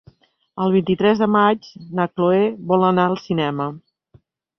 El vint-i-tres de maig na Cloè vol anar al cinema.